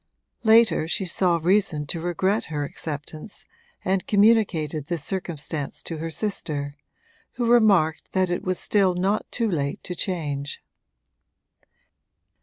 Later she saw reason to regret her acceptance and communicated this circumstance to her sister, who remarked that it was still not too late to change.